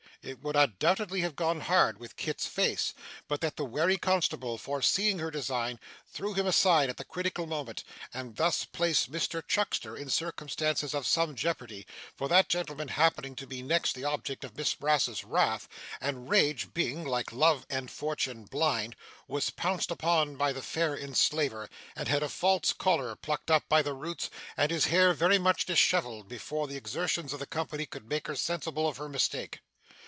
It would undoubtedly have gone hard with Kit's face, but that the wary constable, foreseeing her design, drew him aside at the critical moment, and thus placed Mr Chuckster in circumstances of some jeopardy; for that gentleman happening to be next the object of Miss Brass's wrath; and rage being, like love and fortune, blind; was pounced upon by the fair enslaver, and had a false collar plucked up by the roots, and his hair very much dishevelled, before the exertions of the company could make her sensible of her mistake.